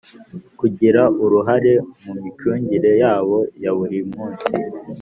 kugira uruhare mu micungire yabo yaburi musi